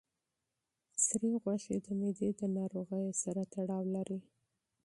سرې غوښه د معدې د ناروغیو سره تړاو لري.